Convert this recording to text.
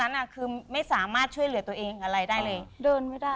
ตอนนั้นคือไม่สามารถช่วยเหลือตัวเองอะไรได้เลย